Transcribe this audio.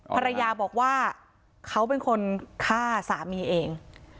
ภรรยาบอกว่าเขาเป็นคนฆ่าสามีเอง